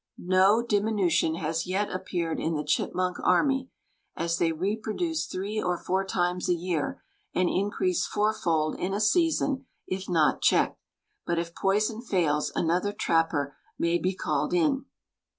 No diminution has yet appeared in the chipmunk army, as they reproduce three or four times a year and increase fourfold in a season if not checked. But if poison fails another trapper may be called in.